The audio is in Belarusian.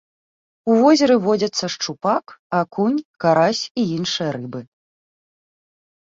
У возеры водзяцца шчупак, акунь, карась і іншыя рыбы.